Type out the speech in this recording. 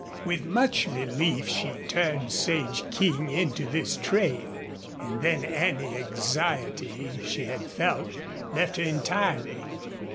With much relief she turned Sage King into this trail, and then any anxiety she had felt left her entirely.